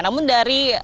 namun dari pantauan